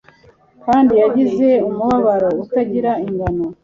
kandi yagize umubabaro utagira ingano